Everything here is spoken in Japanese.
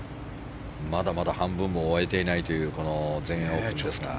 まだまだ半分も終えていないという全英オープンですが。